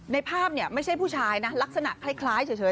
ภาพไม่ใช่ผู้ชายนะลักษณะคล้ายเฉย